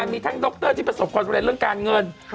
มีทั้งโดกเตอร์ที่ประสบความล์แดดเรื่องการเงิน